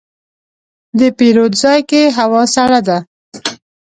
د پیرود ځای کې هوا سړه ده.